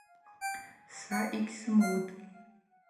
Са йгьсымуытӏ.